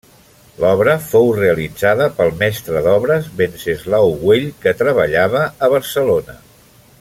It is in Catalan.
L'obra fou realitzada pel mestre d'obres Venceslau Güell que treballava a Barcelona.